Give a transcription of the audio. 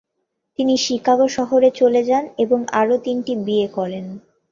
তিনি শিকাগো শহরে চলে যান এবং আরও তিনটি বিয়ে করেন।